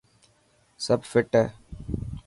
سب فٽ هي.